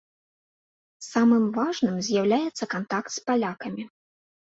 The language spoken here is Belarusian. Самым важным з'яўляецца кантакт з палякамі.